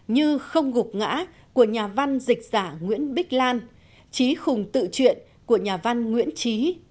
như không gục ngã của nhà văn dịch giả nguyễn bích lan chí khùng tự truyện của nhà văn nguyễn chí